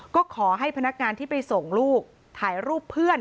ก็ขอให้พนักงานที่ไปส่งลูกถ่ายรูปเพื่อน